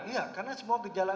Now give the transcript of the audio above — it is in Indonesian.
iya karena semua gejala